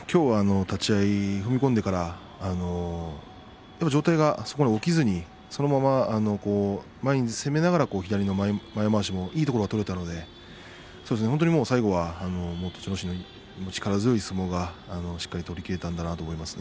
立ち合い踏み込んでから上体が起きずにそのまま前に出ながら前まわしのいいところ取れたので本当に最後は栃ノ心の力強い相撲が取りきれたと思います。